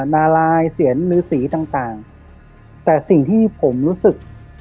นาลายเสียนรือสีต่างแต่สิ่งที่ผมรู้สึก